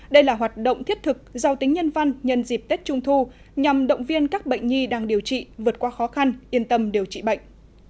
đây là hoạt động thiết thực giao tính nhân văn nhân dịp tết trung thu nhằm động viên các bệnh nhi đang điều trị vượt qua khó khăn yên tâm điều trị bệnh